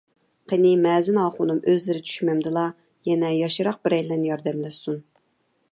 قېنى، مەزىن ئاخۇنۇم، ئۆزلىرى چۈشمەمدىلا، يەنە ياشراق بىرەيلەن ياردەملەشسۇن.